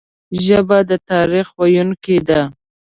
ژبه د تاریخ ویونکي ده